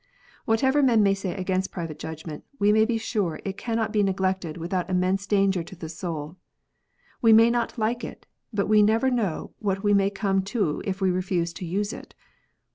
Whatever men may say against private judgment, we may be sure it cannot be neglected without immense danger to the soul. We may not like it ; but we never know what we may come to if we refuse to use it.